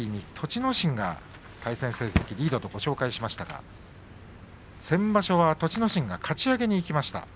ノ心が対戦成績リードとご紹介しましたが先場所は栃ノ心がかち上げにいきました。